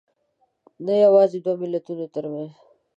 نه یوازې دوو ملتونو تر منځ